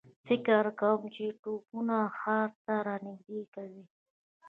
فکر کوم چې توپونه ښار ته را نږدې کوي.